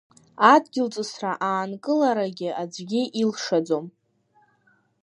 Адгьылҵысра аанкыларагьы аӡәгьы илшаӡом!